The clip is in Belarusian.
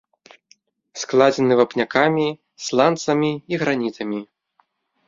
Складзены вапнякамі, сланцамі і гранітамі.